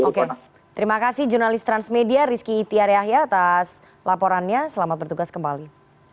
oke terima kasih jurnalis transmedia rizky itiar yahya atas laporannya selamat bertugas kembali